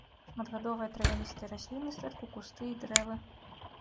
Шматгадовыя травяністыя расліны, зрэдку кусты і дрэвы.